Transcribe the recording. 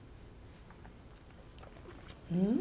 うん！